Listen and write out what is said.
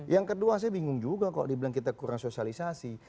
yang kedua saya bingung juga kalau dibilang kita kurang sosialisasi